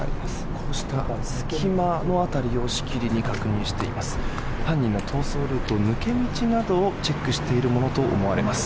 こうした隙間の辺りをしきりに確認しています。